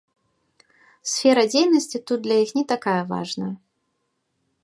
Сфера дзейнасці тут для іх не такая важная.